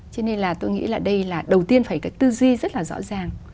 cho nên là tôi nghĩ là đây là đầu tiên phải cái tư duy rất là rõ ràng